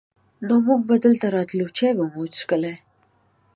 نو مونږ به دلته راتلو، چای به مو چښلې.